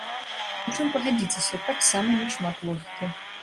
У чым, пагадзіцеся, таксама не шмат логікі.